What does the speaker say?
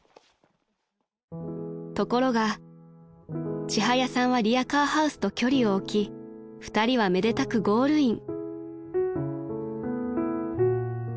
［ところがちはやさんはリアカーハウスと距離を置き２人はめでたくゴールイン］